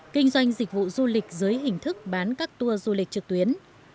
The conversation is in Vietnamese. kinh doanh dịch vụ du lịch dưới hình thức bán các tour du lịch trực tuyến